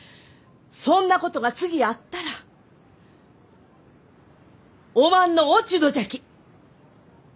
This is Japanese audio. そんなことが次あったらおまんの落ち度じゃき。